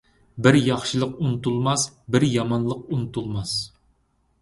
بىر ياخشىلىق ئۇنتۇلماس، بىر يامانلىق ئۇنتۇلماس.